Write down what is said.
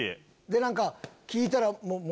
で何か聞いたら。